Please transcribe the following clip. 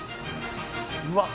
うわっ！